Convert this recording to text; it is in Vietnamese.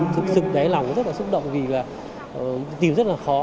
thực sự đấy lòng rất là xúc động vì là tìm rất là khó